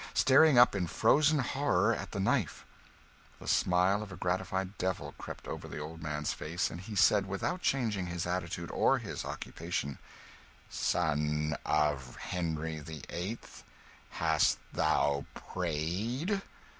staring up in frozen horror at the knife. The smile of a gratified devil crept over the old man's face, and he said, without changing his attitude or his occupation "Son of Henry the Eighth, hast thou prayed?"